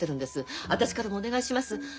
私からもお願いします。